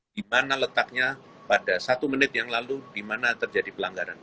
dimana letaknya pada satu menit yang lalu dimana terjadi pelanggaran